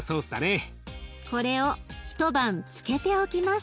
これを一晩漬けておきます。